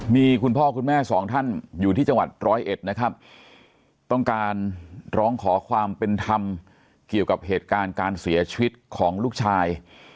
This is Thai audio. มีคุณพ่อคุณแม่สองท่านอยู่ที่จังหวัดร้อยเอ็ดนะครับต้องการร้องขอความเป็นธรรมเกี่ยวกับเหตุการณ์การเสียชีวิตของลูกชาย